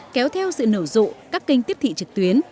kéo theo sự nở rộ các kênh tiếp thị trực tuyến